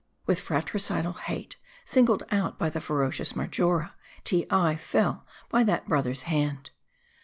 With fratricidal hate, singled out by the ferocious Mar jora, Teei fell by that brother's hand.